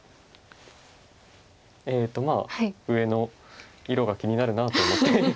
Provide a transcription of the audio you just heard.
えっと上の色が気になるなと思って。